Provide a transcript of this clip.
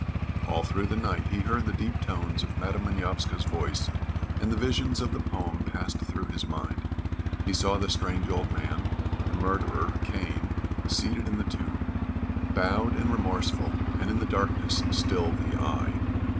All through the night he heard the deep tones of Madam Manovska's voice, and the visions of the poem passed through his mind. He saw the strange old man, the murderer, Cain, seated in the tomb, bowed and remorseful, and in the darkness still the Eye.